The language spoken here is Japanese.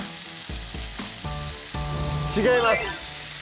違います！